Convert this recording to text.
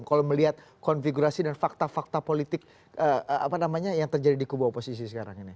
kalau melihat konfigurasi dan fakta fakta politik yang terjadi di kubu oposisi sekarang ini